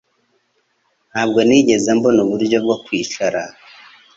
Ntabwo nigeze mbona uburyo bwo kwicara